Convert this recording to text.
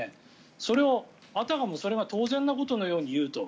それをあたかもそれが当然のことのように言うと。